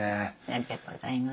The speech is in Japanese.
ありがとうございます。